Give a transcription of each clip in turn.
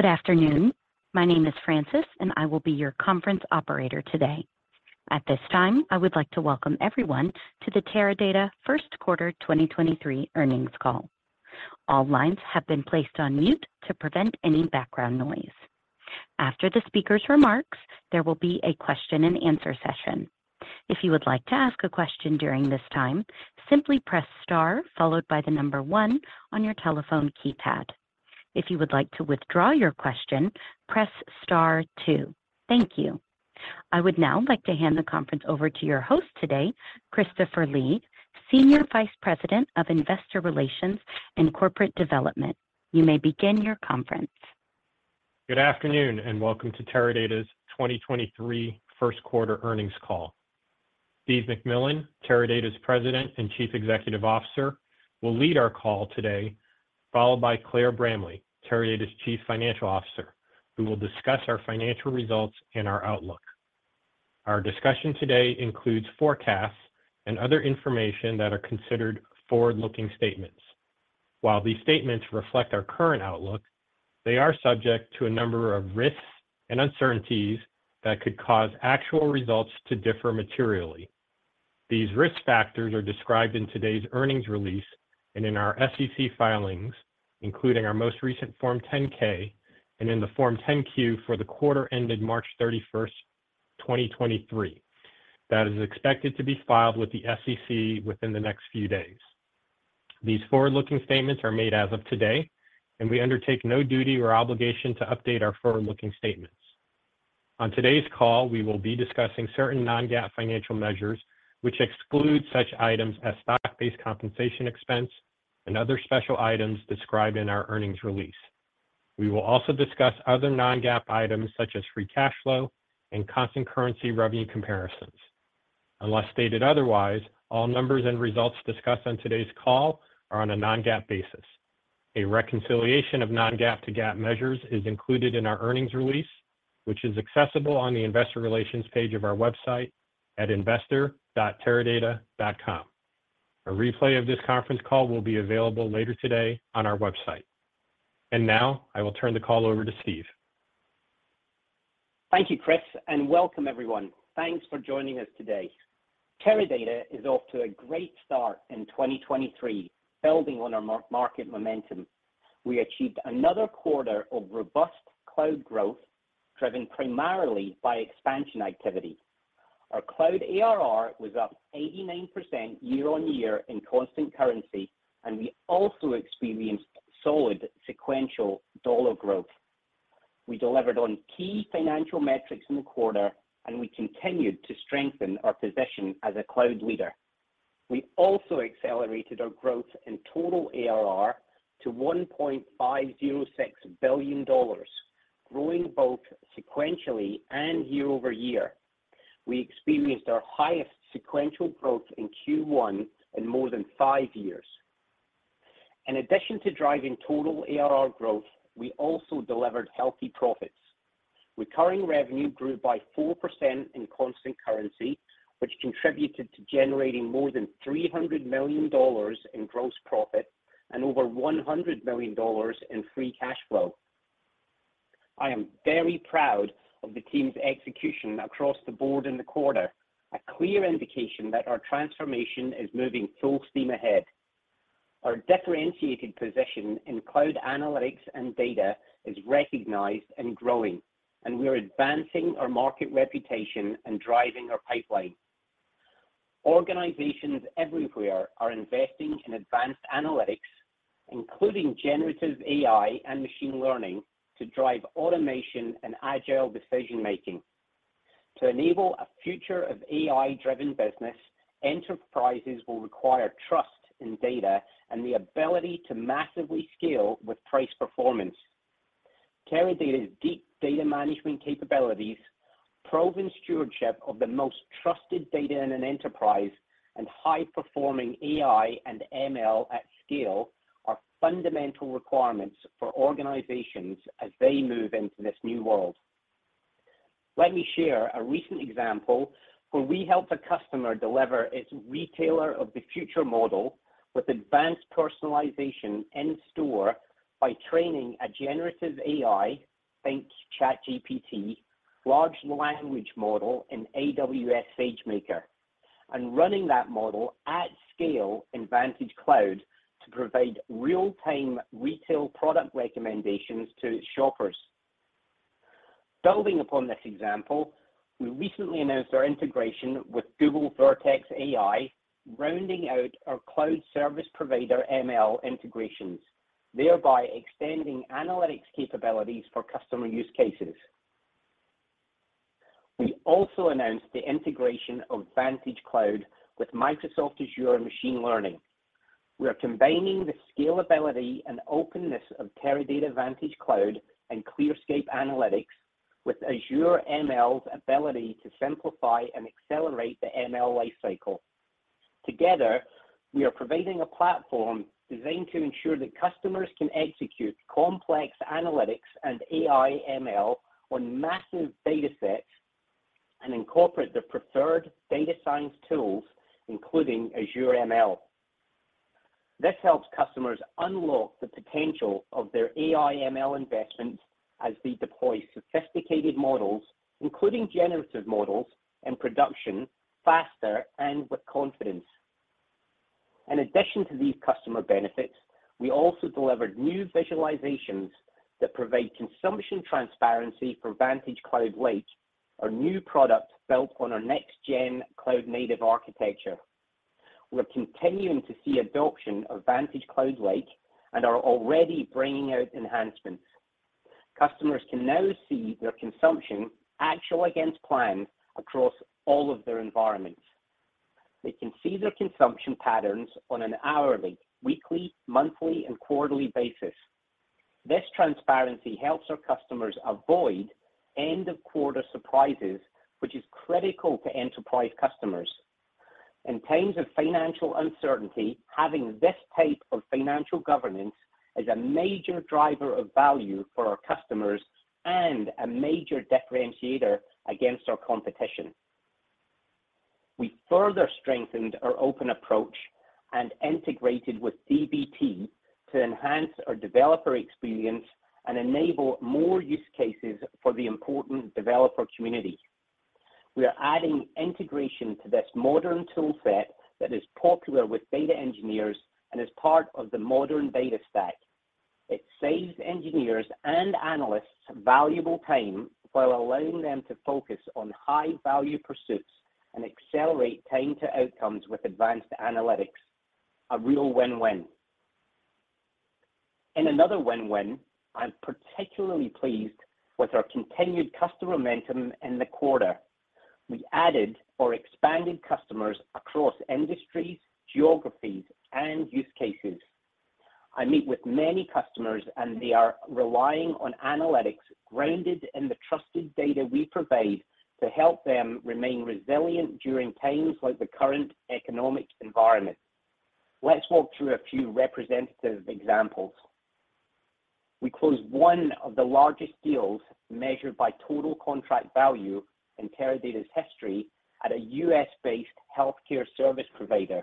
Good afternoon. My name is Francis. I will be your conference operator today. At this time, I would like to welcome everyone to the Teradata First Quarter 2023 Earnings Call. All lines have been placed on mute to prevent any background noise. After the speaker's remarks, there will be a question and answer session. If you would like to ask a question during this time, simply press star followed by the number 1 on your telephone keypad. If you would like to withdraw your question, press star 2. Thank you. I would now like to hand the conference over to your host today, Christopher Lee, Senior Vice President of Investor Relations and Corporate Development. You may begin your conference. Good afternoon and welcome to Teradata's 2023 first quarter earnings call. Steve McMillan, Teradata's President and Chief Executive Officer, will lead our call today, followed by Claire Bramley, Teradata's Chief Financial Officer, who will discuss our financial results and our outlook. Our discussion today includes forecasts and other information that are considered forward-looking statements. While these statements reflect our current outlook, they are subject to a number of risks and uncertainties that could cause actual results to differ materially. These risk factors are described in today's earnings release and in our SEC filings, including our most recent Form 10-K and in the Form 10-Q for the quarter ended March 31st, 2023. That is expected to be filed with the SEC within the next few days. These forward-looking statements are made as of today, and we undertake no duty or obligation to update our forward-looking statements. On today's call, we will be discussing certain non-GAAP financial measures, which exclude such items as stock-based compensation expense and other special items described in our earnings release. We will also discuss other non-GAAP items such as free cash flow and constant currency revenue comparisons. Unless stated otherwise, all numbers and results discussed on today's call are on a non-GAAP basis. A reconciliation of non-GAAP to GAAP measures is included in our earnings release, which is accessible on the investor relations page of our website at investor.teradata.com. A replay of this conference call will be available later today on our website. Now I will turn the call over to Steve. Thank you, Chris, and welcome everyone. Thanks for joining us today. Teradata is off to a great start in 2023, building on our market momentum. We achieved another quarter of robust cloud growth, driven primarily by expansion activity. Our cloud ARR was up 89% year-over-year in constant currency, and we also experienced solid sequential dollar growth. We delivered on key financial metrics in the quarter, and we continued to strengthen our position as a cloud leader. We also accelerated our growth in total ARR to $1.506 billion, growing both sequentially and year-over-year. We experienced our highest sequential growth in Q1 in more than 5 years. In addition to driving total ARR growth, we also delivered healthy profits. Recurring revenue grew by 4% in constant currency, which contributed to generating more than $300 million in gross profit and over $100 million in free cash flow. I am very proud of the team's execution across the board in the quarter, a clear indication that our transformation is moving full steam ahead. Our differentiated position in cloud analytics and data is recognized and growing, we are advancing our market reputation and driving our pipeline. Organizations everywhere are investing in advanced analytics, including generative AI and machine learning, to drive automation and agile decision-making. To enable a future of AI-driven business, enterprises will require trust in data and the ability to massively scale with price performance. Teradata's deep data management capabilities, proven stewardship of the most trusted data in an enterprise, and high-performing AI and ML at scale are fundamental requirements for organizations as they move into this new world. Let me share a recent example where we helped a customer deliver its retailer of the future model with advanced personalization in-store by training a generative AI, think ChatGPT, large language model in AWS SageMaker, and running that model at scale in VantageCloud to provide real-time retail product recommendations to its shoppers. Building upon this example, we recently announced our integration with Google Vertex AI, rounding out our cloud service provider ML integrations, thereby extending analytics capabilities for customer use cases. We also announced the integration of VantageCloud with Microsoft Azure Machine Learning. We are combining the scalability and openness of Teradata VantageCloud and ClearScape Analytics with Azure ML's ability to simplify and accelerate the ML lifecycle. Together, we are providing a platform designed to ensure that customers can execute complex analytics and AI ML on massive datasets and incorporate their preferred data science tools, including Azure ML. This helps customers unlock the potential of their AI ML investments as they deploy sophisticated models, including generative models and production faster and with confidence. In addition to these customer benefits, we also delivered new visualizations that provide consumption transparency for VantageCloud Lake, our new product built on our next gen cloud native architecture. We're continuing to see adoption of VantageCloud Lake and are already bringing out enhancements. Customers can now see their consumption actual against plan across all of their environments. They can see their consumption patterns on an hourly, weekly, monthly, and quarterly basis. This transparency helps our customers avoid end of quarter surprises, which is critical to enterprise customers. In times of financial uncertainty, having this type of financial governance is a major driver of value for our customers and a major differentiator against our competition. We further strengthened our open approach and integrated with dbt to enhance our developer experience and enable more use cases for the important developer community. We are adding integration to this modern tool set that is popular with data engineers and is part of the modern data stack. It saves engineers and analysts valuable time while allowing them to focus on high value pursuits and accelerate time to outcomes with advanced analytics. A real win-win. In another win-win, I'm particularly pleased with our continued customer momentum in the quarter. We added or expanded customers across industries, geographies, and use cases. I meet with many customers. They are relying on analytics grounded in the trusted data we provide to help them remain resilient during times like the current economic environment. Let's walk through a few representative examples. We closed one of the largest deals measured by total contract value in Teradata's history at a U.S.-based healthcare service provider.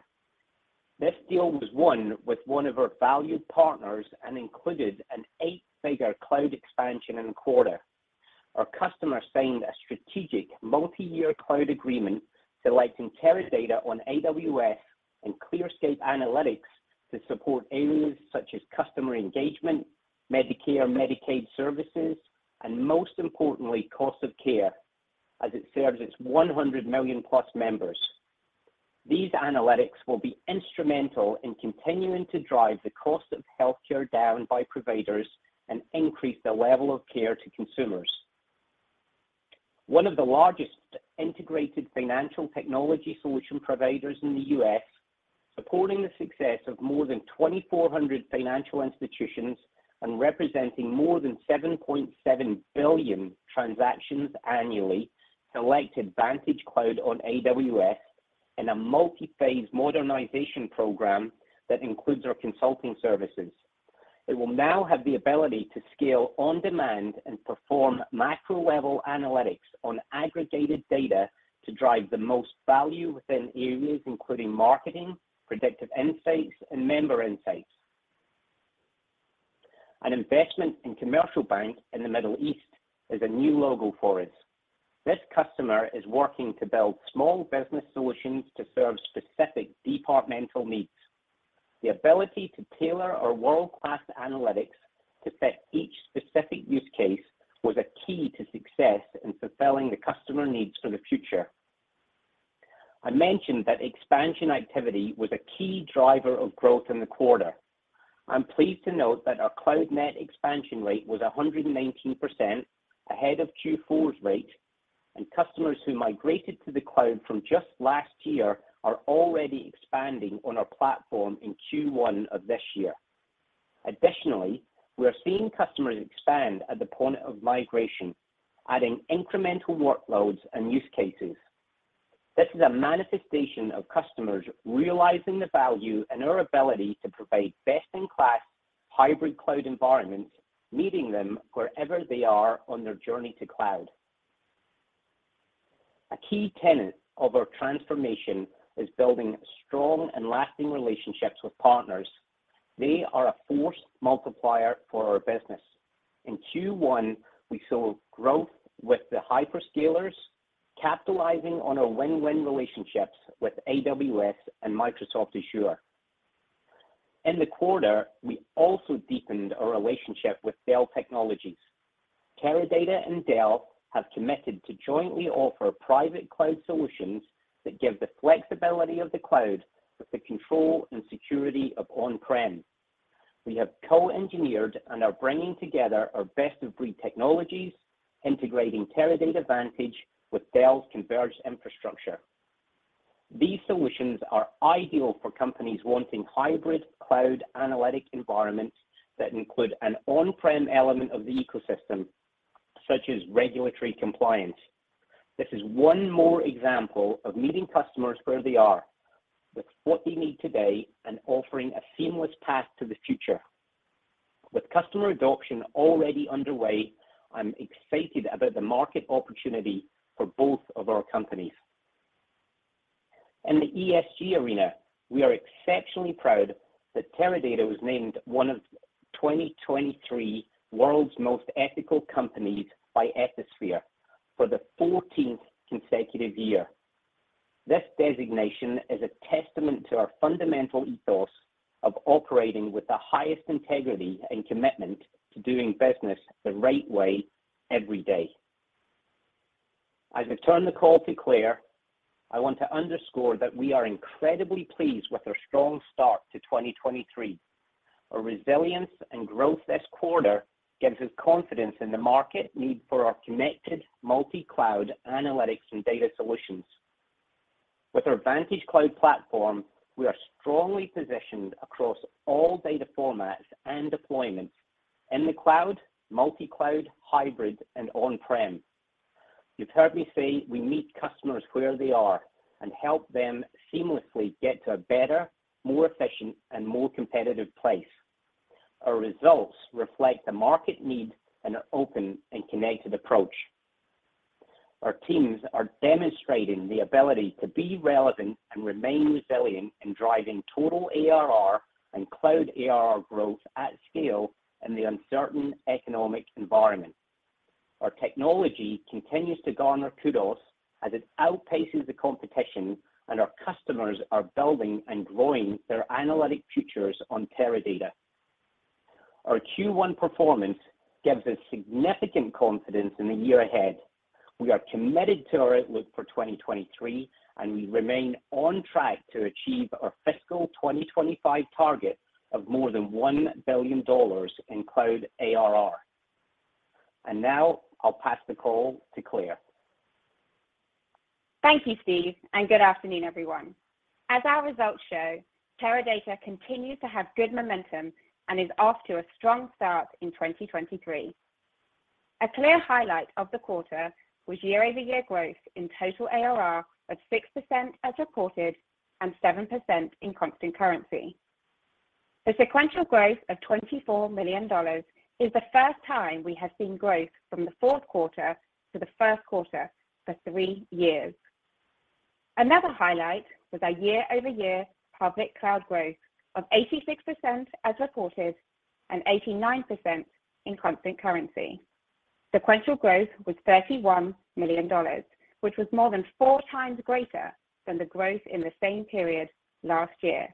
This deal was won with one of our valued partners and included an $8-figure cloud expansion in the quarter. Our customer signed a strategic multi-year cloud agreement, select Teradata on AWS and ClearScape Analytics to support areas such as customer engagement, Medicare, Medicaid services, and most importantly, cost of care as it serves its 100 million-plus members. These analytics will be instrumental in continuing to drive the cost of healthcare down by providers and increase the level of care to consumers. One of the largest integrated financial technology solution providers in the U.S., supporting the success of more than 2,400 financial institutions and representing more than 7.7 billion transactions annually, selected VantageCloud on AWS in a multi-phase modernization program that includes our consulting services. It will now have the ability to scale on demand and perform macro-level analytics on aggregated data to drive the most value within areas including marketing, predictive insights, and member insights. An investment in commercial bank in the Middle East is a new logo for us. This customer is working to build small business solutions to serve specific departmental needs. The ability to tailor our world-class analytics to fit each specific use case was a key to success in fulfilling the customer needs for the future. I mentioned that expansion activity was a key driver of growth in the quarter. I'm pleased to note that our cloud net expansion rate was 119% ahead of Q4's rate. Customers who migrated to the cloud from just last year are already expanding on our platform in Q1 of this year. Additionally, we are seeing customers expand at the point of migration, adding incremental workloads and use cases. This is a manifestation of customers realizing the value and our ability to provide best in class hybrid cloud environments, meeting them wherever they are on their journey to cloud. A key tenet of our transformation is building strong and lasting relationships with partners. They are a force multiplier for our business. In Q1, we saw growth with the hyperscalers capitalizing on our win-win relationships with AWS and Microsoft Azure. In the quarter, we also deepened our relationship with Dell Technologies. Teradata and Dell have committed to jointly offer private cloud solutions that give the flexibility of the cloud with the control and security of on-prem. We have co-engineered and are bringing together our best of breed technologies, integrating Teradata Vantage with Dell's converged infrastructure. These solutions are ideal for companies wanting hybrid cloud analytic environments that include an on-prem element of the ecosystem, such as regulatory compliance. This is one more example of meeting customers where they are with what they need today and offering a seamless path to the future. With customer adoption already underway, I'm excited about the market opportunity for both of our companies. In the ESG arena, we are exceptionally proud that Teradata was named one of 2023 World's Most Ethical Companies by Ethisphere for the 14th consecutive year. This designation is a testament to our fundamental ethos of operating with the highest integrity and commitment to doing business the right way every day. As I turn the call to Claire, I want to underscore that we are incredibly pleased with our strong start to 2023. Our resilience and growth this quarter gives us confidence in the market need for our connected multi-cloud analytics and data solutions. With our VantageCloud Platform, we are strongly positioned across all data formats and deployments in the cloud, multi-cloud, hybrid, and on-prem. You've heard me say we meet customers where they are and help them seamlessly get to a better, more efficient, and more competitive place. Our results reflect the market need and open and connected approach. Our teams are demonstrating the ability to be relevant and remain resilient in driving total ARR and cloud ARR growth at scale in the uncertain economic environment. Our technology continues to garner kudos as it outpaces the competition, and our customers are building and growing their analytic futures on Teradata. Our Q1 performance gives us significant confidence in the year ahead. We are committed to our outlook for 2023, and we remain on track to achieve our fiscal 2025 target of more than $1 billion in cloud ARR. Now I'll pass the call to Claire. Thank you, Steve. Good afternoon, everyone. As our results show, Teradata continues to have good momentum and is off to a strong start in 2023. A clear highlight of the quarter was year-over-year growth in total ARR of 6% as reported and 7% in constant currency. The sequential growth of $24 million is the first time we have seen growth from the fourth quarter to the first quarter for 3 years. Another highlight was our year-over-year public cloud growth of 86% as reported and 89% in constant currency. Sequential growth was $31 million, which was more than 4 times greater than the growth in the same period last year.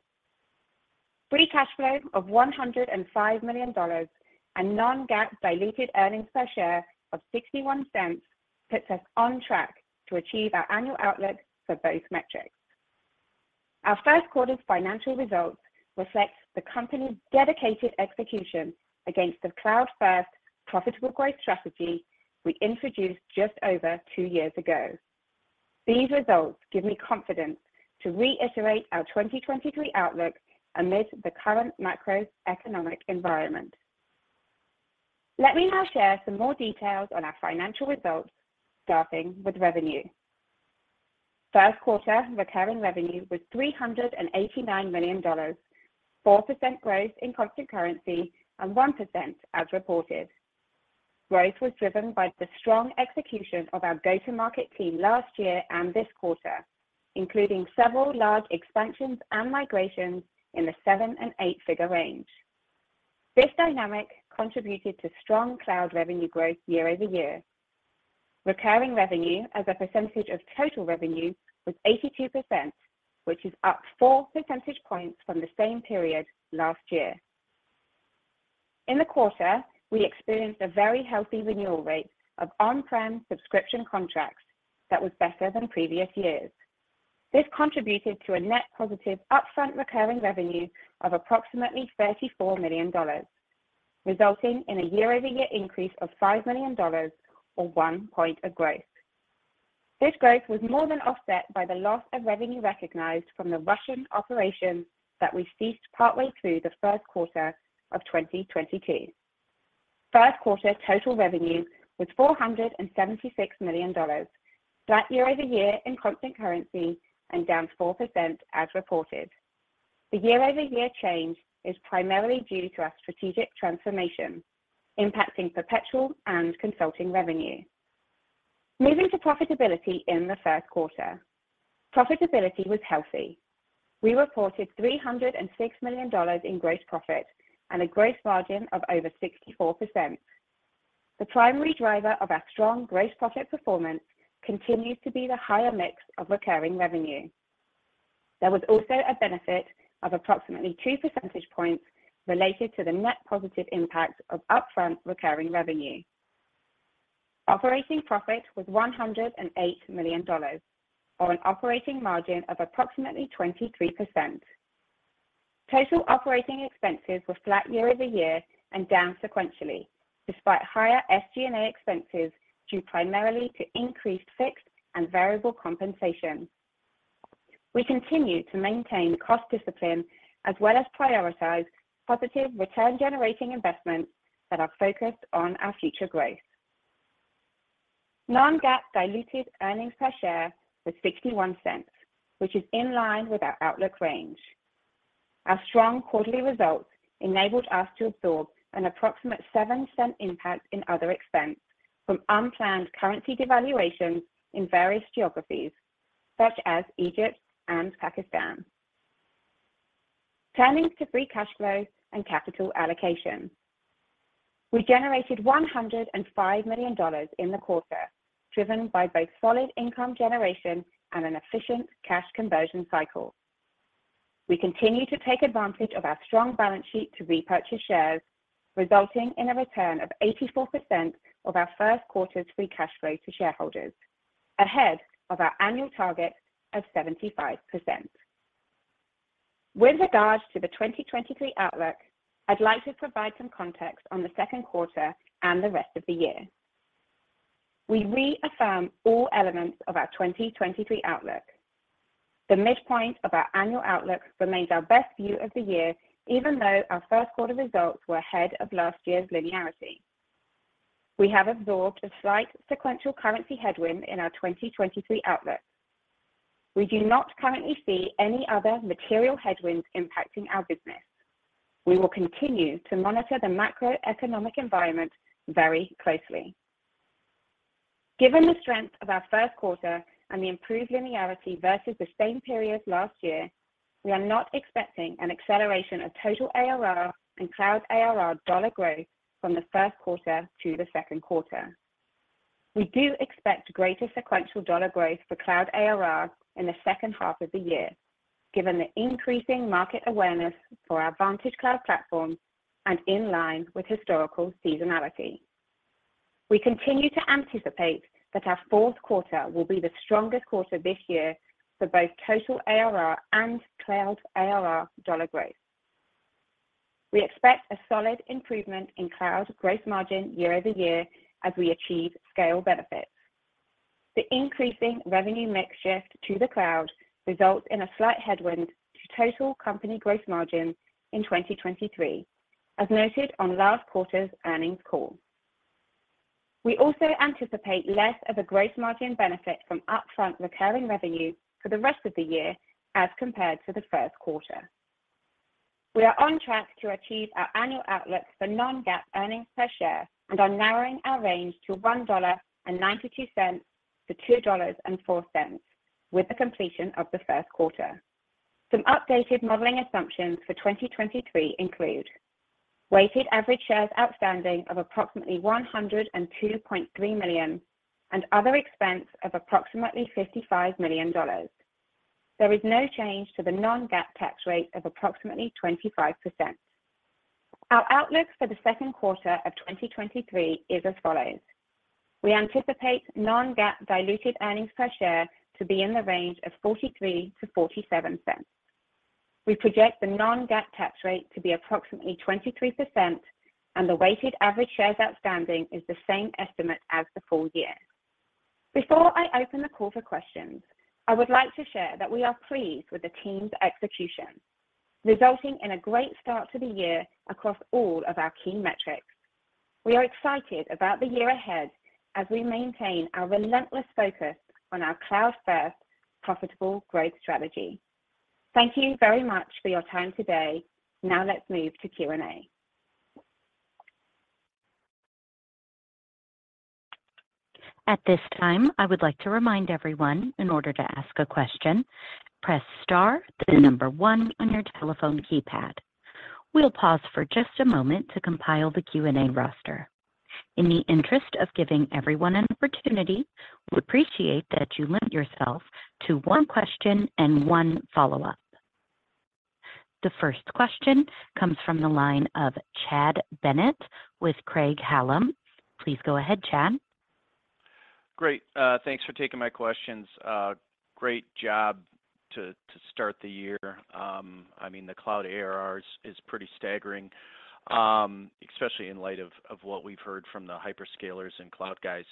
Free cash flow of $105 million and non-GAAP diluted earnings per share of $0.61 puts us on track to achieve our annual outlook for both metrics. Our first quarter's financial results reflect the company's dedicated execution against the cloud-first profitable growth strategy we introduced just over 2 years ago. These results give me confidence to reiterate our 2023 outlook amid the current macroeconomic environment. Let me now share some more details on our financial results, starting with revenue. First quarter recurring revenue was $389 million, 4% growth in constant currency, and 1% as reported. Growth was driven by the strong execution of our go-to-market team last year and this quarter, including several large expansions and migrations in the 7 & 8-figure range. This dynamic contributed to strong cloud revenue growth year-over-year. Recurring revenue as a percentage of total revenue was 82%, which is up 4 percentage points from the same period last year. In the quarter, we experienced a very healthy renewal rate of on-prem subscription contracts that was better than previous years. This contributed to a net positive upfront recurring revenue of approximately $34 million, resulting in a year-over-year increase of $5 million or 1 point of growth. This growth was more than offset by the loss of revenue recognized from the Russian operations that we ceased partway through the first quarter of 2022. First quarter total revenue was $476 million, flat year-over-year in constant currency and down 4% as reported. The year-over-year change is primarily due to our strategic transformation impacting perpetual and consulting revenue. Moving to profitability in the first quarter, profitability was healthy. We reported $306 million in gross profit and a gross margin of over 64%. The primary driver of our strong gross profit performance continues to be the higher mix of recurring revenue. There was also a benefit of approximately 2 percentage points related to the net positive impact of upfront recurring revenue. Operating profit was $108 million on an operating margin of approximately 23%. Total operating expenses were flat year-over-year and down sequentially, despite higher SG&A expenses, due primarily to increased fixed and variable compensation. We continue to maintain cost discipline as well as prioritize positive return-generating investments that are focused on our future growth. Non-GAAP diluted earnings per share was $0.61, which is in line with our outlook range. Our strong quarterly results enabled us to absorb an approximate $0.07 impact in other expense from unplanned currency devaluation in various geographies such as Egypt and Pakistan. Turning to free cash flow and capital allocation. We generated $105 million in the quarter, driven by both solid income generation and an efficient cash conversion cycle. We continue to take advantage of our strong balance sheet to repurchase shares, resulting in a return of 84% of our first quarter's free cash flow to shareholders, ahead of our annual target of 75%. With regards to the 2023 outlook, I'd like to provide some context on the second quarter and the rest of the year. We reaffirm all elements of our 2023 outlook. The midpoint of our annual outlook remains our best view of the year, even though our first quarter results were ahead of last year's linearity. We have absorbed a slight sequential currency headwind in our 2023 outlook. We do not currently see any other material headwinds impacting our business. We will continue to monitor the macroeconomic environment very closely. Given the strength of our first quarter and the improved linearity versus the same period last year, we are not expecting an acceleration of total ARR and cloud ARR dollar growth from the first quarter to the second quarter. We do expect greater sequential dollar growth for cloud ARR in the second half of the year, given the increasing market awareness for our VantageCloud platform and in line with historical seasonality. We continue to anticipate that our fourth quarter will be the strongest quarter this year for both total ARR and cloud ARR dollar growth. We expect a solid improvement in cloud gross margin year-over-year as we achieve scale benefits. The increasing revenue mix shift to the cloud results in a slight headwind to total company gross margin in 2023, as noted on last quarter's earnings call. We also anticipate less of a gross margin benefit from upfront recurring revenue for the rest of the year as compared to the first quarter. We are on track to achieve our annual outlook for non-GAAP earnings per share and are narrowing our range to $1.92-$2.04 with the completion of the first quarter. Some updated modeling assumptions for 2023 include weighted average shares outstanding of approximately 102.3 million and other expense of approximately $55 million. There is no change to the non-GAAP tax rate of approximately 25%. Our outlook for the second quarter of 2023 is as follows. We anticipate non-GAAP diluted earnings per share to be in the range of $0.43-$0.47. We project the non-GAAP tax rate to be approximately 23%. The weighted average shares outstanding is the same estimate as the full year. Before I open the call for questions, I would like to share that we are pleased with the team's execution, resulting in a great start to the year across all of our key metrics. We are excited about the year ahead as we maintain our relentless focus on our cloud-first profitable growth strategy. Thank you very much for your time today. Let's move to Q&A. At this time, I would like to remind everyone in order to ask a question, press star then the number 1 on your telephone keypad. We'll pause for just a moment to compile the Q&A roster. In the interest of giving everyone an opportunity, we appreciate that you limit yourself to 1 question and 1 follow-up. The first question comes from the line of Chad Bennett with Craig-Hallum. Please go ahead, Chad. Great. Thanks for taking my questions. Great job to start the year. I mean, the cloud ARR is pretty staggering, especially in light of what we've heard from the hyperscalers and cloud guys.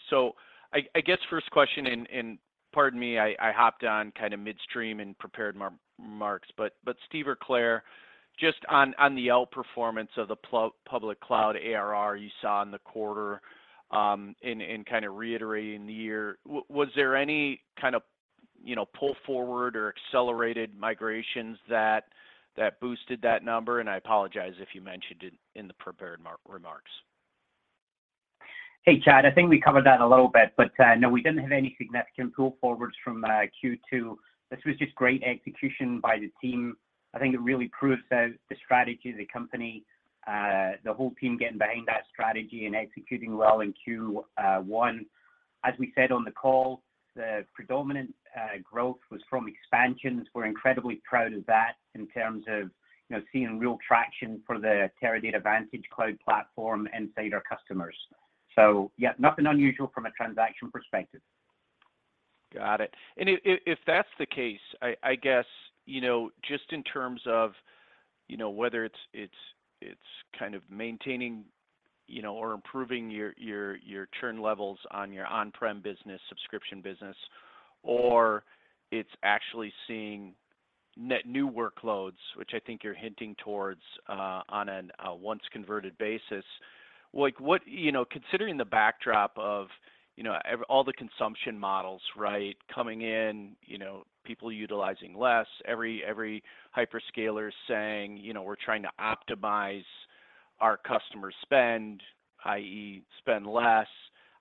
I guess first question and pardon me, I hopped on kind of midstream and prepared my remarks, but Steve or Claire, just on the outperformance of the public cloud ARR you saw in the quarter, and kind of reiterating the year, was there any kind of, you know, pull forward or accelerated migrations that boosted that number? I apologize if you mentioned it in the prepared remarks. Hey, Chad. I think we covered that a little bit, but no, we didn't have any significant pull forwards from Q2. This was just great execution by the team. I think it really proves the strategy of the company, the whole team getting behind that strategy, and executing well in Q1. As we said on the call, the predominant growth was from expansions. We're incredibly proud of that in terms of, you know, seeing real traction for the Teradata VantageCloud platform inside our customers. Yeah, nothing unusual from a transaction perspective. Got it. If that's the case, I guess, you know, just in terms of, you know, whether it's kind of maintaining, you know, or improving your churn levels on your on-prem business, subscription business, or it's actually seeing net new workloads, which I think you're hinting towards, on a once converted basis. Like what? You know, considering the backdrop of, you know, all the consumption models, right? Coming in, you know, people utilizing less. Every hyperscaler is saying, you know, "We're trying to optimize our customer spend," i.e., spend less.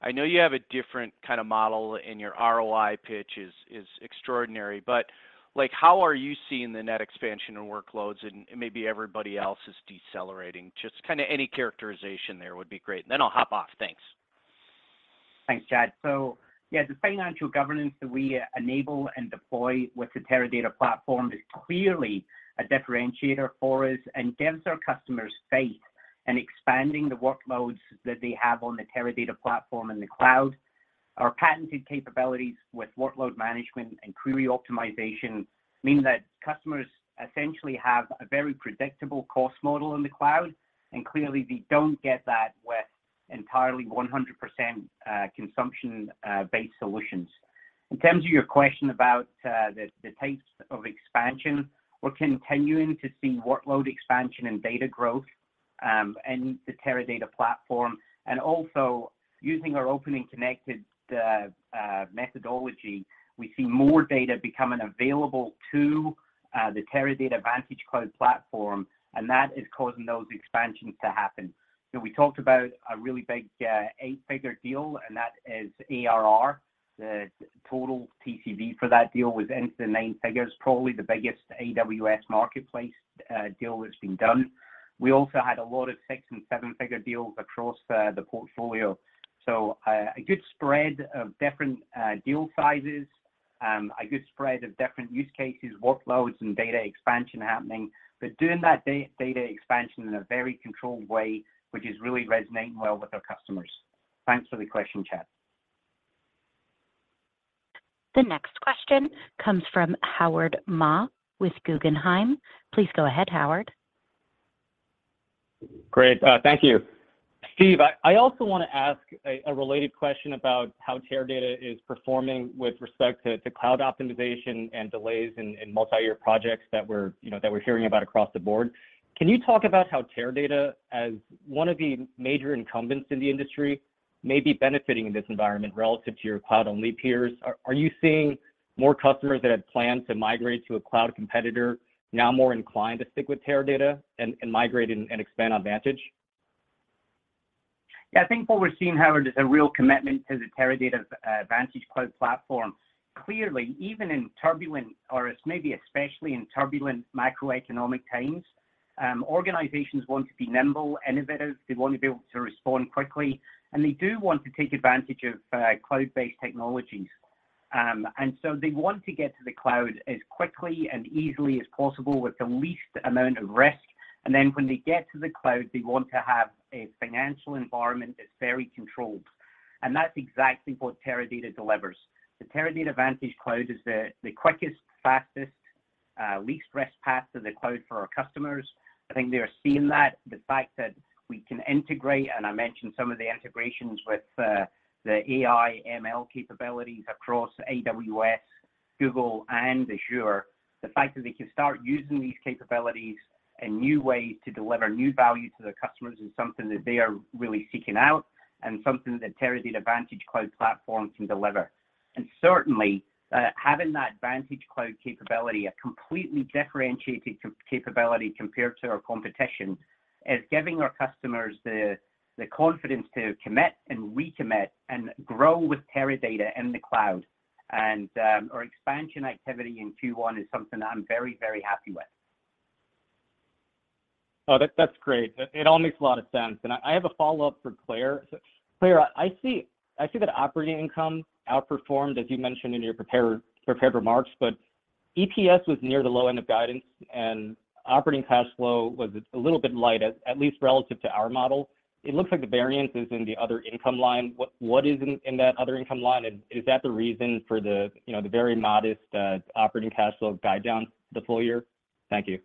I know you have a different kinda model, and your ROI pitch is extraordinary. Like, how are you seeing the net expansion and workloads, and maybe everybody else is decelerating? Just kinda any characterization there would be great. I'll hop off. Thanks. Thanks, Chad. Yeah, the financial governance that we enable and deploy with the Teradata platform is clearly a differentiator for us, and gives our customers faith in expanding the workloads that they have on the Teradata platform in the cloud. Our patented capabilities with workload management and query optimization mean that customers essentially have a very predictable cost model in the cloud, and clearly they don't get that with entirely 100% consumption based solutions. In terms of your question about the types of expansion, we're continuing to see workload expansion and data growth in the Teradata platform. Also using our opening connected methodology, we see more data becoming available to the Teradata VantageCloud platform, and that is causing those expansions to happen. You know, we talked about a really big 8-figure deal, and that is ARR. The total TCV for that deal was into the 9 figures, probably the biggest AWS Marketplace deal that's been done. We also had a lot of 6 and 7-figure deals across the portfolio. A good spread of different deal sizes, a good spread of different use cases, workloads, and data expansion happening. But doing that data expansion in a very controlled way, which is really resonating well with our customers. Thanks for the question, Chad. The next question comes from Howard Ma with Guggenheim. Please go ahead, Howard. Great. Thank you. Steve, I also wanna ask a related question about how Teradata is performing with respect to cloud optimization and delays in multi-year projects that, you know, we're hearing about across the board. Can you talk about how Teradata, as one of the major incumbents in the industry, may be benefiting in this environment relative to your cloud-only peers? Are you seeing more customers that had planned to migrate to a cloud competitor now more inclined to stick with Teradata and migrate and expand on Vantage? I think what we're seeing, Howard, is a real commitment to the Teradata VantageCloud platform. Clearly, even in turbulent, or maybe especially in turbulent macroeconomic times, organizations want to be nimble, innovative. They wanna be able to respond quickly, and they do want to take advantage of cloud-based technologies. They want to get to the cloud as quickly and easily as possible with the least amount of risk. When they get to the cloud, they want to have a financial environment that's very controlled, and that's exactly what Teradata delivers. The Teradata VantageCloud is the quickest, fastest, least risk path to the cloud for our customers. I think they are seeing that. The fact that we can integrate, and I mentioned some of the integrations with the AI ML capabilities across AWS, Google, and Azure. The fact that they can start using these capabilities and new ways to deliver new value to their customers is something that they are really seeking out, something that Teradata VantageCloud platform can deliver. Certainly, having that VantageCloud capability, a completely differentiated capability compared to our competition, is giving our customers the confidence to commit and recommit and grow with Teradata in the cloud. Our expansion activity in Q1 is something that I'm very, very happy with. That's great. It all makes a lot of sense. I have a follow-up for Claire. Claire, I see that operating income outperformed, as you mentioned in your prepared remarks. EPS was near the low end of guidance, and operating cash flow was a little bit light at least relative to our model. It looks like the variance is in the other income line. What is in that other income line? Is that the reason for the, you know, the very modest operating cash flow guide down the full year? Thank you.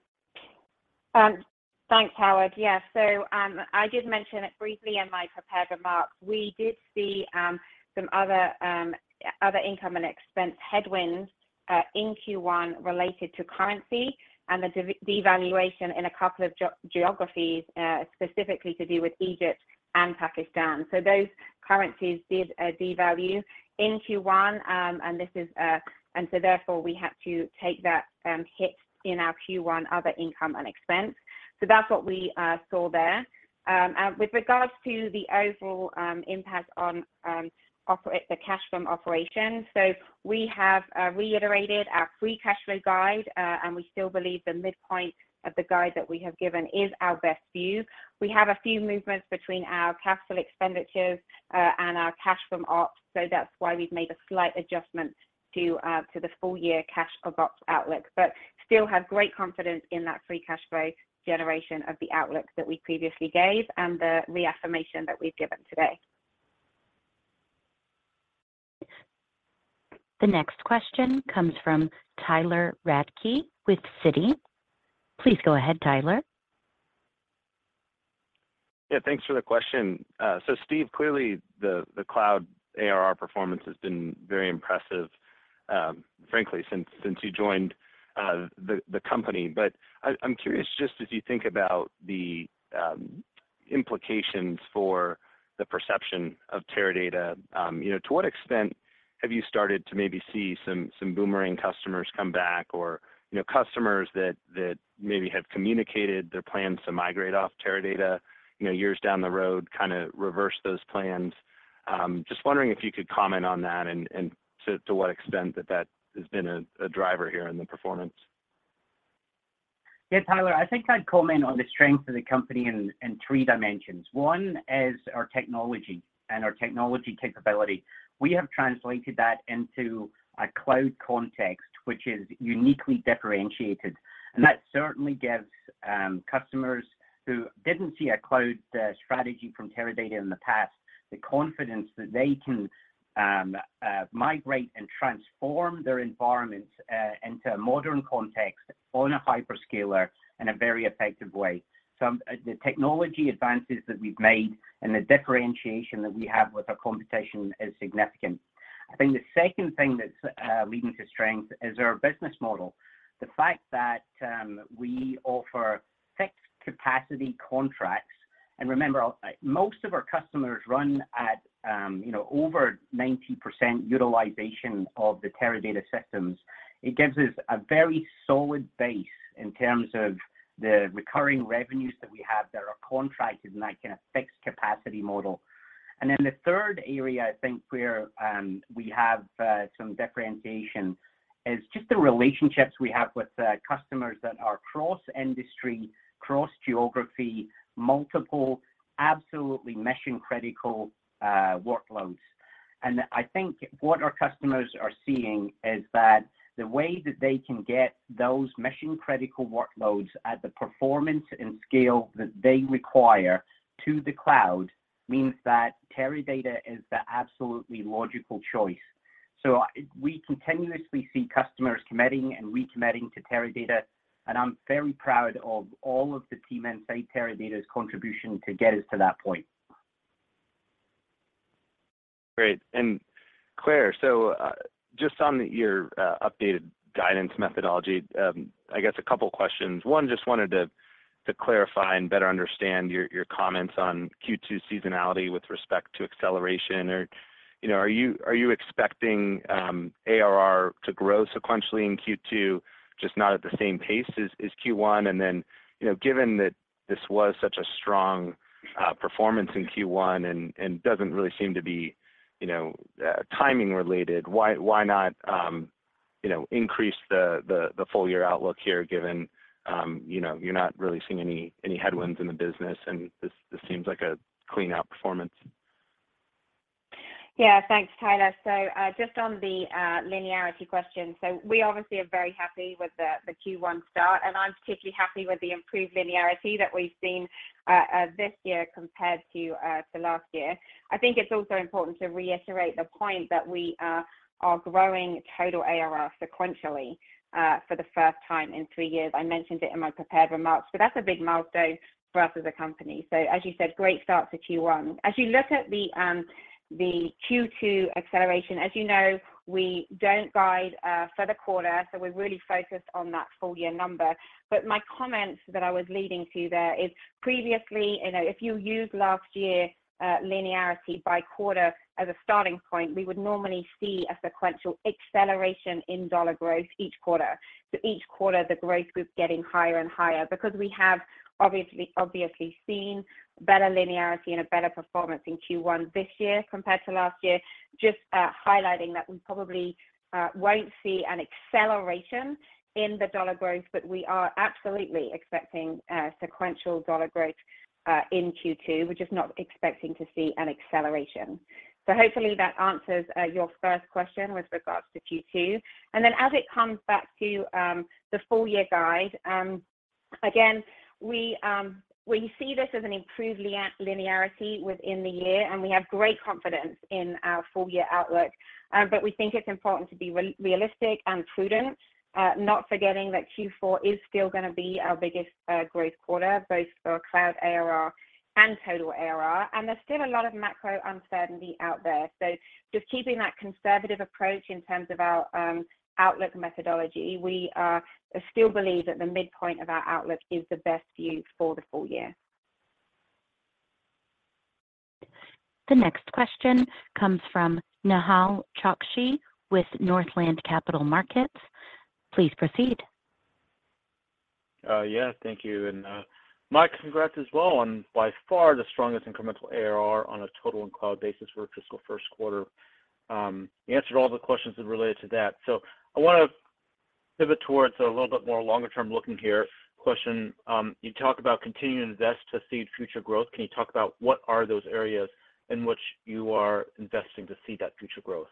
Thanks, Howard. I did mention it briefly in my prepared remarks. We did see some other income and expense headwinds in Q1 related to currency and the devaluation in a couple of geographies, specifically to do with Egypt and Pakistan. Those currencies did devalue in Q1. Therefore, we had to take that hit in our Q1 other income and expense. That's what we saw there. With regards to the overall impact on the cash from operations. We have reiterated our free cash flow guide, and we still believe the midpoint of the guide that we have given is our best view. We have a few movements between our capital expenditures, and our cash from ops, so that's why we've made a slight adjustment to the full year cash from ops outlook. Still have great confidence in that free cash flow generation of the outlook that we previously gave and the reaffirmation that we've given today. The next question comes from Tyler Radke with Citi. Please go ahead, Tyler. Yeah, thanks for the question. Steve, clearly the cloud ARR performance has been very impressive, frankly, since you joined the company. I'm curious, just as you think about the implications for the perception of Teradata, you know, to what extent have you started to maybe see some boomerang customers come back or, you know, customers that maybe have communicated their plans to migrate off Teradata, you know, years down the road, kinda reverse those plans? Just wondering if you could comment on that and to what extent that has been a driver here in the performance. Tyler, I think I'd comment on the strength of the company in 3 dimensions. One is our technology and our technology capability. We have translated that into a cloud context, which is uniquely differentiated, and that certainly gives customers who didn't see a cloud strategy from Teradata in the past, the confidence that they can migrate and transform their environments into a modern context on a hyperscaler in a very effective way. The technology advances that we've made and the differentiation that we have with our competition is significant. I think the second thing that's leading to strength is our business model. The fact that we offer fixed capacity contracts. Remember, most of our customers run at, you know, over 90% utilization of the Teradata systems. It gives us a very solid base in terms of the recurring revenues that we have that are contracted in, like, in a fixed capacity model. The third area I think where we have some differentiation is just the relationships we have with customers that are cross-industry, cross-geography, multiple absolutely mission-critical workloads. I think what our customers are seeing is that the way that they can get those mission-critical workloads at the performance and scale that they require to the cloud means that Teradata is the absolutely logical choice. We continuously see customers committing and recommitting to Teradata, and I'm very proud of all of the team inside Teradata's contribution to get us to that point. Great. Claire, just on your updated guidance methodology, I guess a couple questions. One, just wanted to clarify and better understand your comments on Q-2 seasonality with respect to acceleration. You know, are you expecting ARR to grow sequentially in Q-2, just not at the same pace as Q-one? You know, given that this was such a strong performance in Q-1 and doesn't really seem to be, you know, timing related, why not, you know, increase the full year outlook here given, you know, you're not really seeing any headwinds in the business, and this seems like a clean outperformance? Thanks, Tyler. Just on the linearity question. We obviously are very happy with the Q-1 start, and I'm particularly happy with the improved linearity that we've seen this year compared to last year. I think it's also important to reiterate the point that we are growing total ARR sequentially for the first time in 3 years. I mentioned it in my prepared remarks, that's a big milestone for us as a company. As you said, great start to Q-one. As you look at the Q-2 acceleration, as you know, we don't guide for the quarter, we're really focused on that full year number. My comment that I was leading to there is previously, you know, if you use last year linearity by quarter as a starting point, we would normally see a sequential acceleration in dollar growth each quarter. Each quarter, the growth group's getting higher and higher. We have obviously seen better linearity and a better performance in Q1 this year compared to last year, just highlighting that we probably won't see an acceleration in the dollar growth, but we are absolutely expecting sequential dollar growth in Q2. We're just not expecting to see an acceleration. Hopefully that answers your first question with regards to Q2. As it comes back to the full year guide, again, we see this as an improved line-linearity within the year, and we have great confidence in our full year outlook. We think it's important to be realistic and prudent, not forgetting that Q-4 is still gonna be our biggest growth quarter, both for cloud ARR and total ARR. There's still a lot of macro uncertainty out there. Just keeping that conservative approach in terms of our outlook methodology, we still believe that the midpoint of our outlook is the best view for the full year. The next question comes from Nehal Chokshi with Northland Capital Markets. Please proceed. Yeah. Thank you. Mike, congrats as well on by far the strongest incremental ARR on a total and cloud basis for our fiscal first quarter. You answered all the questions that related to that. I wanna pivot towards a little bit more longer term looking here question. You talk about continuing to invest to seed future growth. Can you talk about what are those areas in which you are investing to seed that future growth?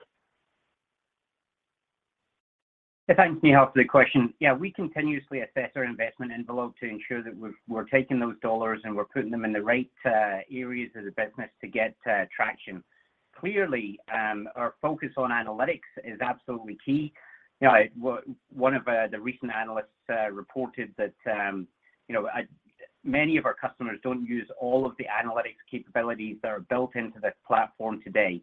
Yeah. Thanks, Nehal, for the question. Yeah, we continuously assess our investment envelope to ensure that we're taking those dollars, and we're putting them in the right areas of the business to get traction. Clearly, our focus on analytics is absolutely key. You know, one of the recent analysts reported that, you know, many of our customers don't use all of the analytics capabilities that are built into the platform today.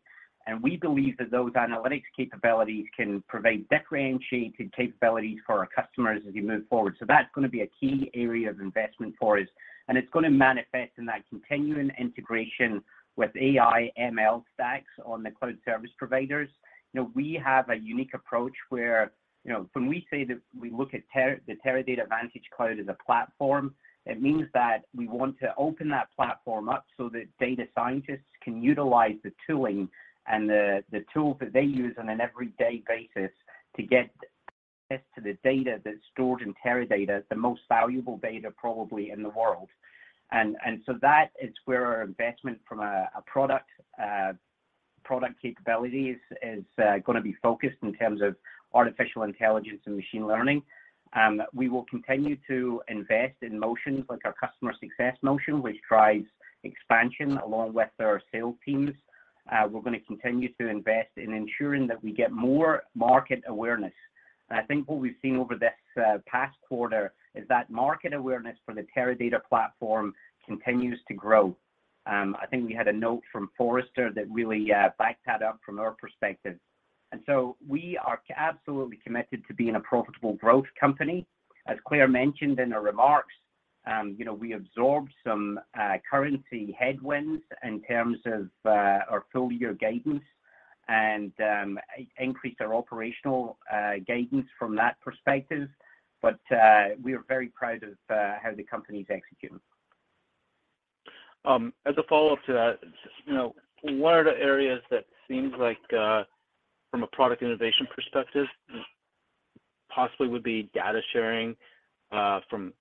We believe that those analytics capabilities can provide differentiated capabilities for our customers as we move forward. That's gonna be a key area of investment for us, and it's gonna manifest in that continuing integration with AI ML stacks on the cloud service providers. You know, we have a unique approach where, you know, when we say that we look at the Teradata VantageCloud as a platform, it means that we want to open that platform up so that data scientists can utilize the tooling and the tools that they use on an everyday basis to get access to the data that's stored in Teradata, the most valuable data probably in the world. That is where our investment from a product capabilities is gonna be focused in terms of artificial intelligence and machine learning. We will continue to invest in motions like our customer success motion, which drives expansion along with our sales teams. We're gonna continue to invest in ensuring that we get more market awareness. I think what we've seen over this past quarter is that market awareness for the Teradata platform continues to grow. I think we had a note from Forrester that really backed that up from our perspective. We are absolutely committed to being a profitable growth company. As Claire mentioned in her remarks, you know, we absorbed some currency headwinds in terms of our full year guidance and increased our operational guidance from that perspective. We are very proud of how the company's executing. As a follow-up to that, you know, what are the areas that seems like from a product innovation perspective possibly would be data sharing from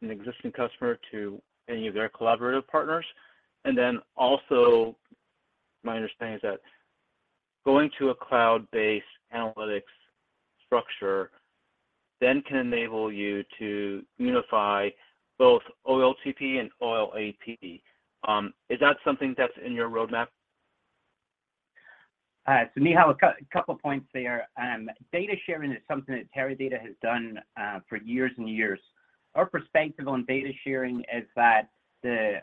an existing customer to any of their collaborative partners? Also my understanding is that going to a cloud-based analytics structure then can enable you to unify both OLTP and OLAP. Is that something that's in your roadmap? So Michal, a couple of points there. Data sharing is something that Teradata has done for years and years. Our perspective on data sharing is that the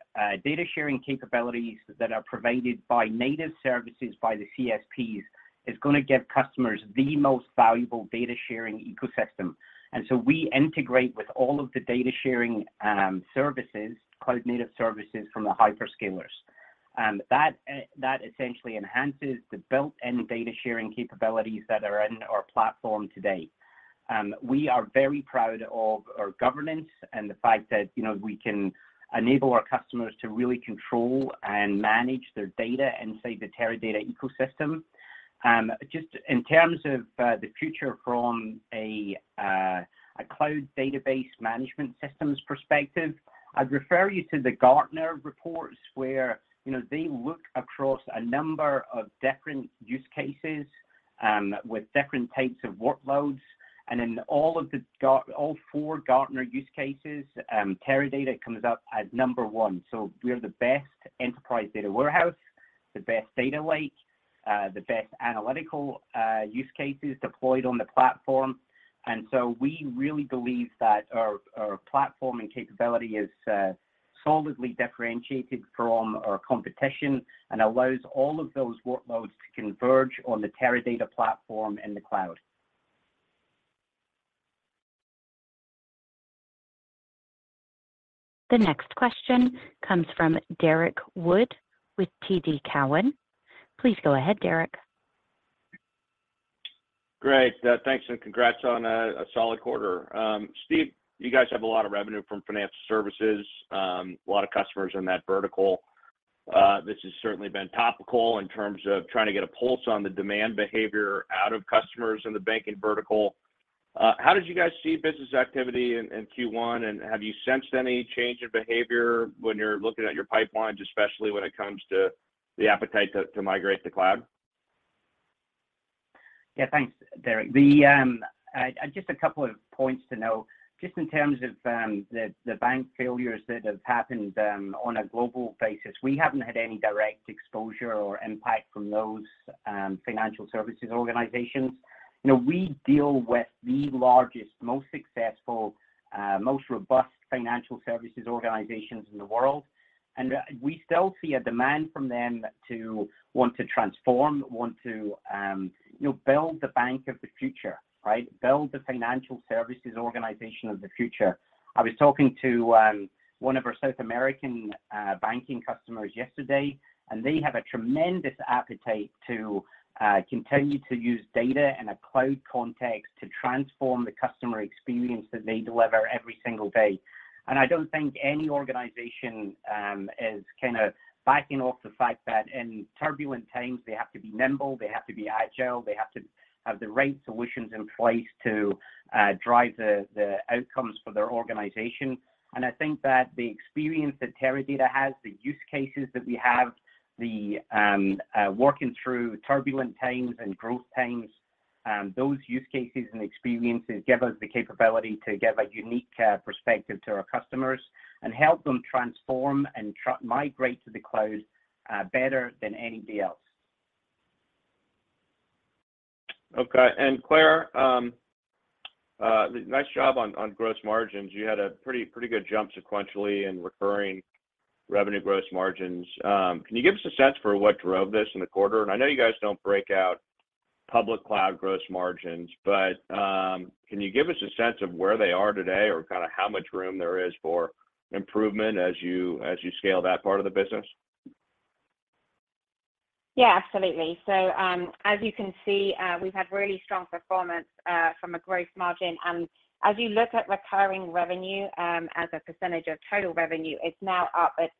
data sharing capabilities that are provided by native services, by the CSPs, is gonna give customers the most valuable data sharing ecosystem. We integrate with all of the data sharing services, cloud native services from the hyperscalers. That essentially enhances the built-in data sharing capabilities that are in our platform today. We are very proud of our governance and the fact that, you know, we can enable our customers to really control and manage their data inside the Teradata ecosystem. Just in terms of the future from a cloud database management systems perspective, I'd refer you to the Gartner reports where, you know, they look across a number of different use cases with different types of workloads. In all of the all 4 Gartner use cases, Teradata comes up as number one. We are the best enterprise data warehouse, the best data lake, the best analytical use cases deployed on the platform. We really believe that our platform and capability is solidly differentiated from our competition and allows all of those workloads to converge on the Teradata platform in the cloud. The next question comes from Derrick Wood with TD Cowen. Please go ahead, Derek. Great. Thanks and congrats on a solid quarter. Steve, you guys have a lot of revenue from financial services, a lot of customers in that vertical. This has certainly been topical in terms of trying to get a pulse on the demand behavior out of customers in the banking vertical. How did you guys see business activity in Q1, and have you sensed any change in behavior when you're looking at your pipelines, especially when it comes to the appetite to migrate to cloud? Yeah. Thanks, Derek. Just a couple of points to note. Just in terms of the bank failures that have happened on a global basis, we haven't had any direct exposure or impact from those financial services organizations. You know, we deal with the largest, most successful, most robust financial services organizations in the world, we still see a demand from them to want to transform, want to, you know, build the bank of the future, right? Build the financial services organization of the future. I was talking to one of our South American banking customers yesterday, they have a tremendous appetite to continue to use data in a cloud context to transform the customer experience that they deliver every single day. I don't think any organization is kinda backing off the fact that in turbulent times they have to be nimble, they have to be agile, they have to have the right solutions in place to drive the outcomes for their organization. I think that the experience that Teradata has, the use cases that we have, the working through turbulent times and growth times Those use cases and experiences give us the capability to give a unique perspective to our customers and help them transform and migrate to the cloud better than anybody else. Okay. Claire, nice job on gross margins. You had a pretty good jump sequentially in recurring revenue gross margins. Can you give us a sense for what drove this in the quarter? I know you guys don't break out public cloud gross margins, but can you give us a sense of where they are today or kinda how much room there is for improvement as you scale that part of the business? Yeah, absolutely. As you can see, we've had really strong performance from a growth margin. As you look at recurring revenue, as a percentage of total revenue, it's now up at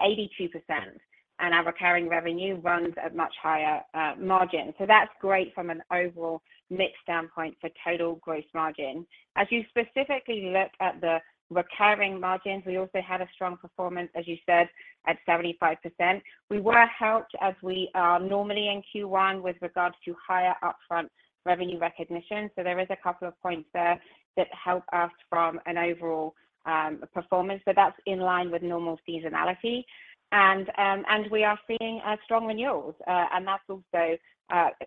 82%. Our recurring revenue runs at much higher margins. That's great from an overall mix standpoint for total gross margin. As you specifically look at the recurring margins, we also had a strong performance, as you said, at 75%. We were helped as we are normally in Q1 with regards to higher upfront revenue recognition, so there is a couple of points there that help us from an overall performance, but that's in line with normal seasonality. We are seeing strong renewals, and that also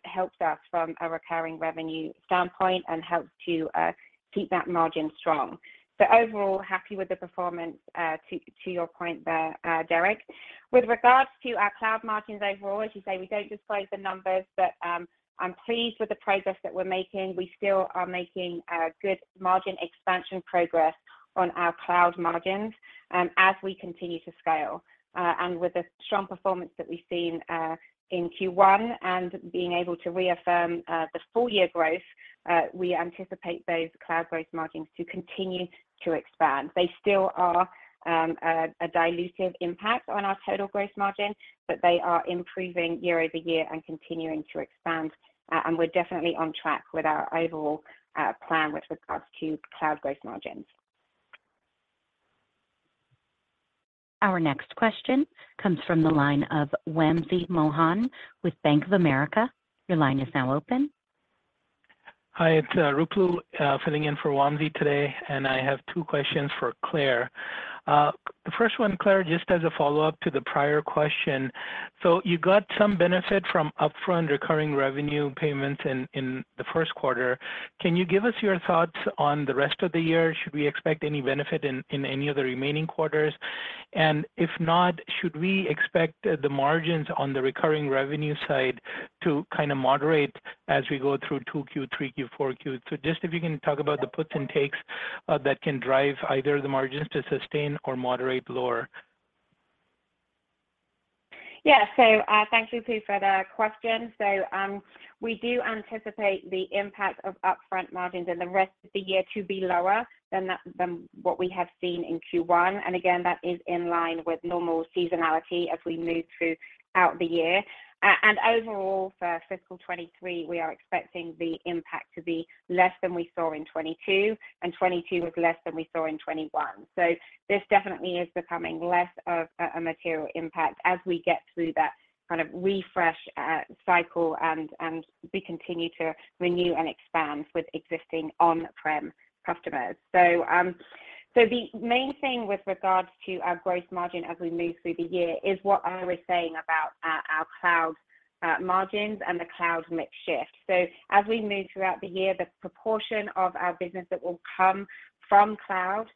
helps us from a recurring revenue standpoint and helps to keep that margin strong. Overall, happy with the performance, to your point there, Derrick. With regards to our cloud margins overall, as you say, we don't disclose the numbers, but I'm pleased with the progress that we're making. We still are making good margin expansion progress on our cloud margins, as we continue to scale. With the strong performance that we've seen in Q1 and being able to reaffirm the full year growth, we anticipate those cloud growth margins to continue to expand. They still are a dilutive impact on our total growth margin, but they are improving year-over-year and continuing to expand. We're definitely on track with our overall plan with regards to cloud growth margins. Our next question comes from the line of Wamsi Mohan with Bank of America. Your line is now open. Hi, it's Ruplu filling in for Wamsi today. I have 2 questions for Claire. The first one, Claire, just as a follow-up to the prior question. You got some benefit from upfront recurring revenue payments in the first quarter. Can you give us your thoughts on the rest of the year? Should we expect any benefit in any of the remaining quarters? If not, should we expect the margins on the recurring revenue side to kind of moderate as we go through 2Q, 3Q, 4Q? Just if you can talk about the puts and takes that can drive either the margins to sustain or moderate lower. Thank you, Ruplu, for the question. We do anticipate the impact of upfront margins in the rest of the year to be lower than what we have seen in Q1. Again, that is in line with normal seasonality as we move throughout the year. Overall for fiscal 2023, we are expecting the impact to be less than we saw in 2022, and 2022 was less than we saw in 2021. This definitely is becoming less of a material impact as we get through that kind of refresh cycle and we continue to renew and expand with existing on-prem customers. The main thing with regards to our growth margin as we move through the year is what I was saying about our cloud margins and the cloud mix shift. As we move throughout the year, the proportion of our business that will come from cloud,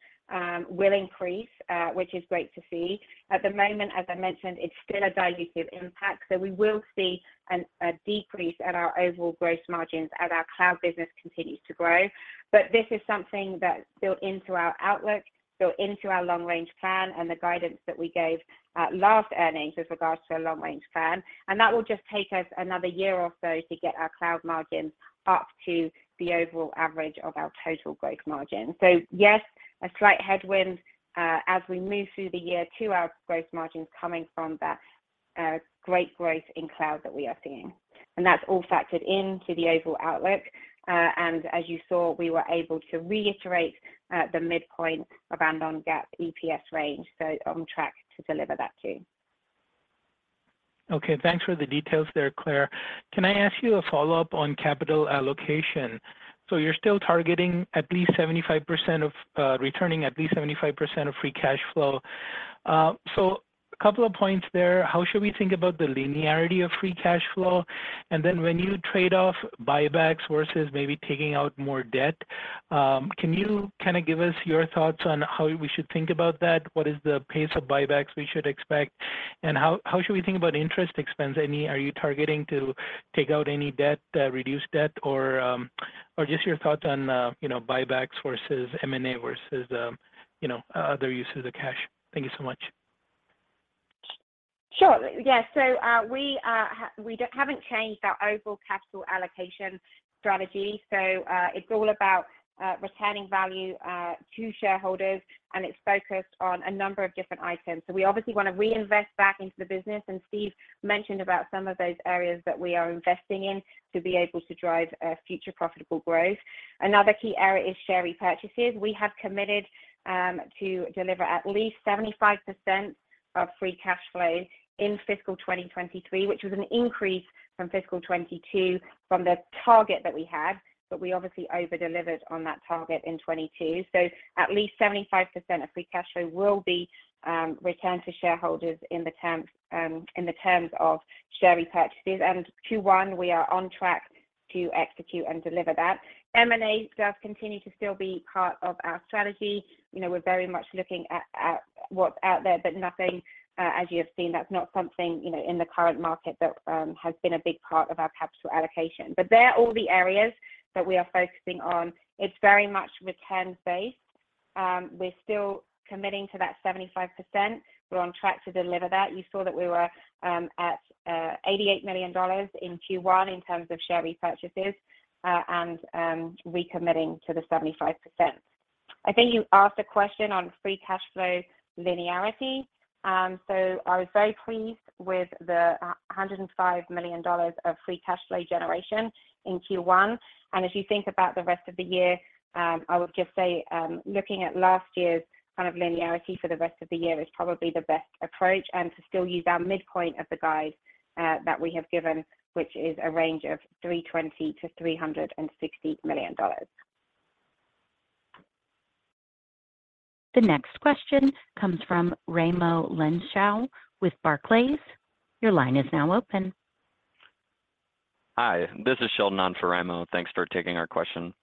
will increase, which is great to see. At the moment, as I mentioned, it's still a dilutive impact, so we will see an decrease at our overall growth margins as our cloud business continues to grow. This is something that's built into our outlook, built into our long-range plan and the guidance that we gave at last earnings with regards to our long-range plan. That will just take us another year or so to get our cloud margins up to the overall average of our total growth margin. Yes, a slight headwind, as we move through the year to our growth margins coming from that, great growth in cloud that we are seeing. That's all factored into the overall outlook. As you saw, we were able to reiterate the midpoint of our non-GAAP EPS range, on track to deliver that too. Thanks for the details there, Claire. Can I ask you a follow-up on capital allocation? You're still targeting at least 75% of returning at least 75% of free cash flow. A couple of points there. How should we think about the linearity of free cash flow? When you trade off buybacks versus maybe taking out more debt, can you kind of give us your thoughts on how we should think about that? What is the pace of buybacks we should expect, and how should we think about interest expense? Are you targeting to take out any debt, reduce debt or just your thoughts on, you know, buybacks versus M&A versus, you know, other uses of cash. Thank you so much. Sure. Yeah. We haven't changed our overall capital allocation strategy. It's all about returning value to shareholders. And it's focused on a number of different items. We obviously wanna reinvest back into the business, and Steve mentioned about some of those areas that we are investing in to be able to drive future profitable growth. Another key area is share repurchases. We have committed to deliver at least 75% of free cash flow in fiscal 2023, which was an increase from fiscal 2022 from the target that we had. We obviously over-delivered on that target in 2022. At least 75% of free cash flow will be returned to shareholders in the terms of share repurchases. Q1, we are on track to execute and deliver that. M&A does continue to still be part of our strategy. You know, we're very much looking at what's out there, but nothing, as you have seen, that's not something, you know, in the current market that has been a big part of our capital allocation. They're all the areas that we are focusing on. It's very much return based. We're still committing to that 75%. We're on track to deliver that. You saw that we were at $88 million in Q1 in terms of share repurchases, and recommitting to the 75%. I think you asked a question on free cash flow linearity. I was very pleased with the $105 million of free cash flow generation in Q1. If you think about the rest of the year, I would just say, looking at last year's kind of linearity for the rest of the year is probably the best approach, and to still use our midpoint of the guide that we have given, which is a range of $320 million-$360 million. The next question comes from Raimo Lenschow with Barclays. Your line is now open. Hi, this is Sheldon on for Ramo. Thanks for taking our question.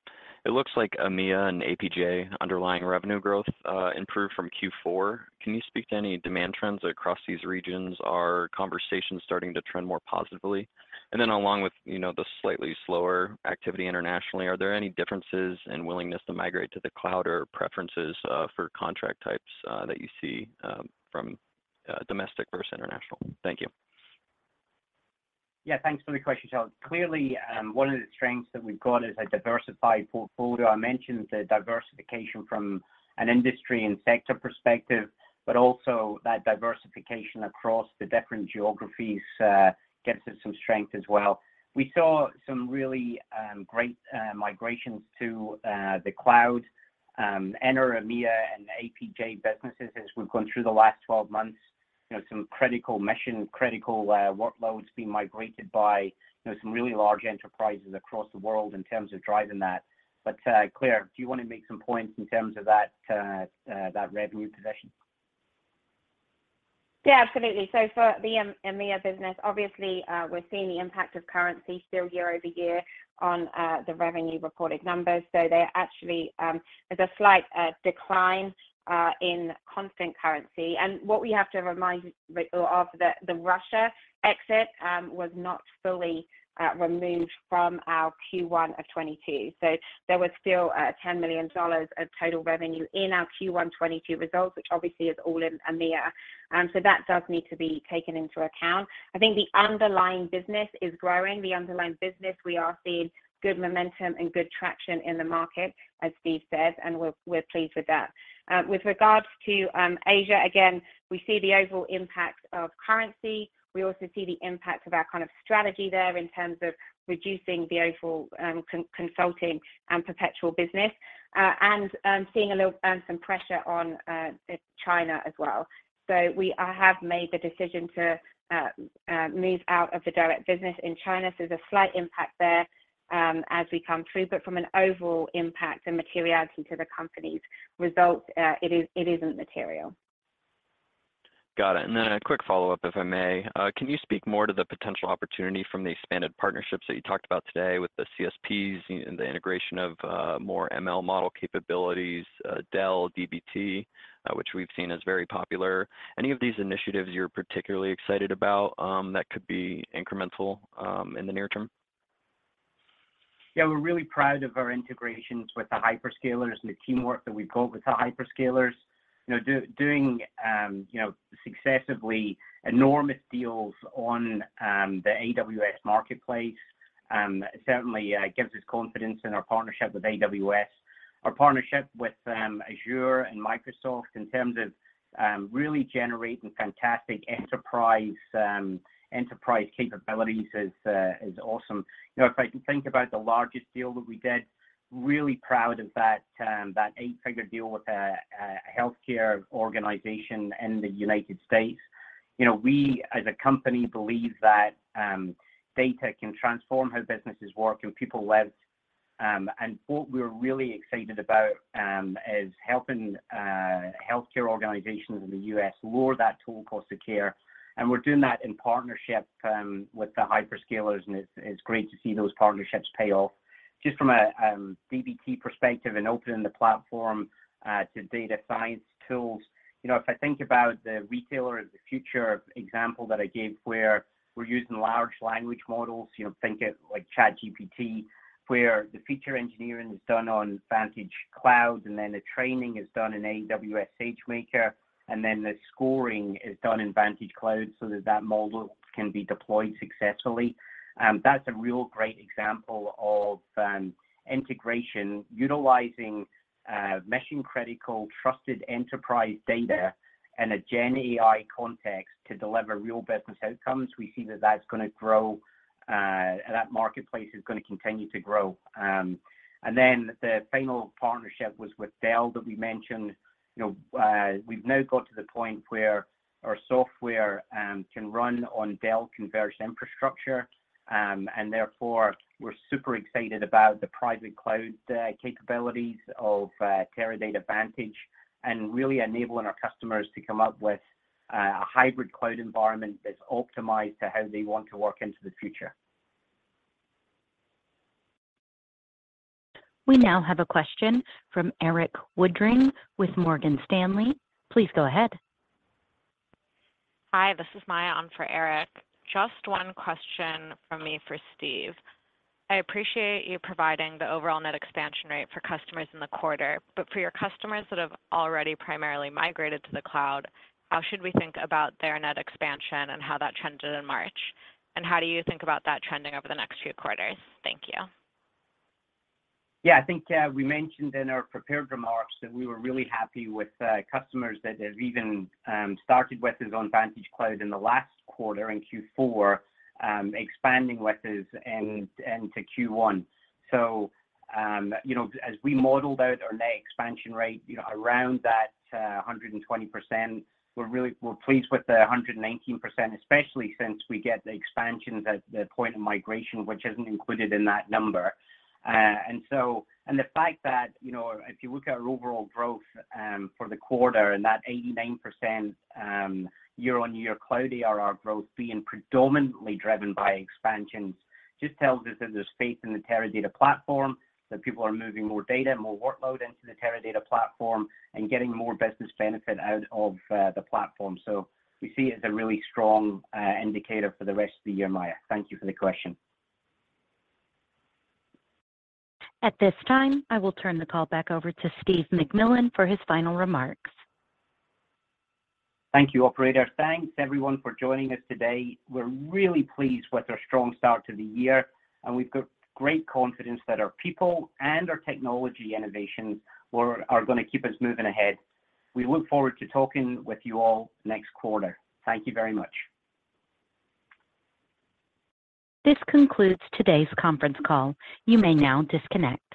It looks like EMEA and APJ underlying revenue growth improved from Q4. Can you speak to any demand trends across these regions? Are conversations starting to trend more positively? Along with, you know, the slightly slower activity internationally, are there any differences in willingness to migrate to the cloud or preferences for contract types that you see from domestic versus international? Thank you. Yeah, thanks for the question, Sheldon. Clearly, one of the strengths that we've got is a diversified portfolio. I mentioned the diversification from an industry and sector perspective, but also that diversification across the different geographies, gives us some strength as well. We saw some really great migrations to the cloud, enter EMEA and APJ businesses as we've gone through the last twelve months. You know, some mission-critical workloads being migrated by, you know, some really large enterprises across the world in terms of driving that. Claire, do you wanna make some points in terms of that revenue position? Yeah, absolutely. For the EMEA business, obviously, we're seeing the impact of currency still year-over-year on the revenue-reported numbers. They're actually, there's a slight decline in constant currency. What we have to remind of the Russia exit was not fully removed from our Q1 of 2022. There was still $10 million of total revenue in our Q1 2022 results, which obviously is all in EMEA. That does need to be taken into account. I think the underlying business is growing. The underlying business, we are seeing good momentum and good traction in the market, as Steve said, and we're pleased with that. With regards to Asia, again, we see the overall impact of currency. We also see the impact of our kind of strategy there in terms of reducing the overall consulting and perpetual business and seeing a little some pressure on China as well. I have made the decision to move out of the direct business in China, so there's a slight impact there as we come through. From an overall impact and materiality to the company's results, it isn't material. Got it. A quick follow-up, if I may. Can you speak more to the potential opportunity from the expanded partnerships that you talked about today with the CSPs and the integration of more ML model capabilities, Dell, dbt, which we've seen is very popular? Any of these initiatives you're particularly excited about that could be incremental in the near term? Yeah, we're really proud of our integrations with the hyperscalers and the teamwork that we've got with the hyperscalers. You know, doing, you know, successively enormous deals on the AWS Marketplace, certainly gives us confidence in our partnership with AWS. Our partnership with Azure and Microsoft in terms of really generating fantastic enterprise capabilities is awesome. You know, if I can think about the largest deal that we did, really proud of that 8-figure deal with a healthcare organization in the United States. You know, we as a company believe that data can transform how businesses work and people live. What we're really excited about is helping healthcare organizations in the U.S. lower that total cost of care, and we're doing that in partnership with the hyperscalers, and it's great to see those partnerships pay off. Just from a dbt perspective and opening the platform to data science tools, you know, if I think about the retailer of the future example that I gave, where we're using large language models, you know, think of like ChatGPT, where the feature engineering is done on VantageCloud, and then the training is done in AWS SageMaker, and then the scoring is done in VantageCloud so that that model can be deployed successfully. That's a real great example of Integration, utilizing mission-critical trusted enterprise data in a gen AI context to deliver real business outcomes. We see that that's gonna grow, that marketplace is gonna continue to grow. The final partnership was with Dell that we mentioned. You know, we've now got to the point where our software can run on Dell converged infrastructure. Therefore we're super excited about the private cloud capabilities of Teradata Vantage, and really enabling our customers to come up with a hybrid cloud environment that's optimized to how they want to work into the future. We now have a question from Erik Woodring with Morgan Stanley. Please go ahead. Hi, this is Maya on for Erik. Just 1 question from me for Steve. I appreciate you providing the overall net expansion rate for customers in the quarter, but for your customers that have already primarily migrated to the cloud, how should we think about their net expansion and how that trended in March? How do you think about that trending over the next few quarters? Thank you. I think we mentioned in our prepared remarks that we were really happy with customers that have even started with us on VantageCloud in the last quarter, in Q4, expanding with us and to Q1. As we modeled out our net expansion rate, you know, around that 120%, we're pleased with the 119%, especially since we get the expansions at the point of migration, which isn't included in that number. The fact that, you know, if you look at our overall growth, for the quarter and that 89% year-on-year cloud ARR growth being predominantly driven by expansions just tells us that there's faith in the Teradata platform, that people are moving more data, more workload into the Teradata platform and getting more business benefit out of the platform. We see it as a really strong indicator for the rest of the year, Maya. Thank you for the question. At this time, I will turn the call back over to Steve McMillan for his final remarks. Thank you, operator. Thanks everyone for joining us today. We're really pleased with our strong start to the year, and we've got great confidence that our people and our technology innovations are gonna keep us moving ahead. We look forward to talking with you all next quarter. Thank you very much. This concludes today's conference call. You may now disconnect.